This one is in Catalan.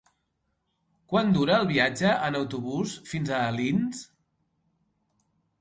Quant dura el viatge en autobús fins a Alins?